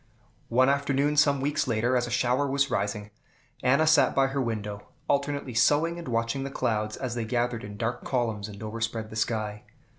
One afternoon, some weeks later, as a shower was rising, Anna sat by her window, alternately sewing and watching the clouds as they gathered in dark columns and overspread the sky.